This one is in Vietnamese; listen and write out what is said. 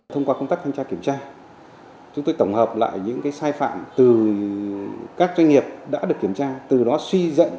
thông qua công tác thanh tra kiểm tra chúng tôi tổng hợp lại những sai phạm từ các doanh nghiệp đã được kiểm tra từ đó suy dẫn